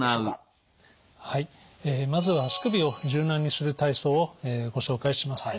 はいまずは足首を柔軟にする体操をご紹介します。